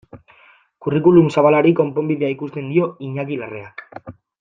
Curriculum zabalari konponbidea ikusten dio Iñaki Larreak.